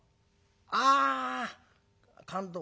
ああ勘当。